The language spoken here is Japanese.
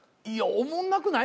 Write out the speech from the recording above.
おもんなくない？